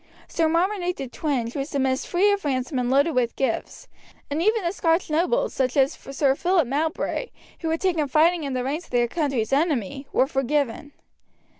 Sir Marmaduke de Twenge was dismissed free of ransom and loaded with gifts, and even the Scotch nobles, such as Sir Philip Mowbray, who were taken fighting in the ranks of their country's enemy, were forgiven.